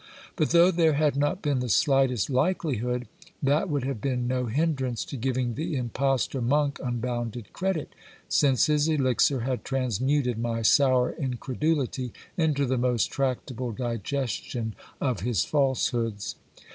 But though there had not been the slightest likelihood, that would have been no hindrance to giving the impostor monk unbounded credit, since his elixir had transmuted my sour incredulity into the most tractable digestion of his falsehoods.